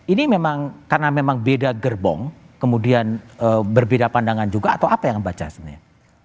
ini memang karena memang beda gerbong kemudian berbeda pandangan juga atau apa yang anda baca sebenarnya